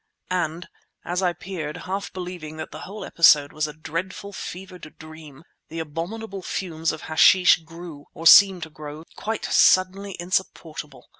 And as I peered, half believing that the whole episode was a dreadful, fevered dream, the abominable fumes of hashish grew, or seemed to grow, quite suddenly insupportable.